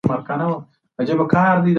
زه هره ورځ د بدن منځنۍ برخه مینځم.